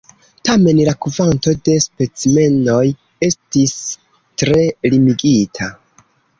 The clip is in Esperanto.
Tamen, la kvanto de specimenoj estis tre limigita.